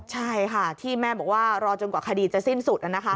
ใช่ค่ะที่แม่บอกว่ารอจนกว่าคดีจะสิ้นสุด